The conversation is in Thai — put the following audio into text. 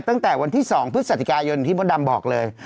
ตั้งแต่วันที่๒พฤศจิกายนที่มดดำบอกเลย